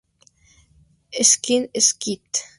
Sky Kid